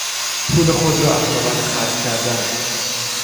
پول خود را احمقانه خرج کردن